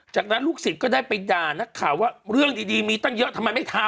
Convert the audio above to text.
จากนั้นลูกศิษย์ก็ได้ไปด่านักข่าวว่าเรื่องดีมีตั้งเยอะทำไมไม่ทำ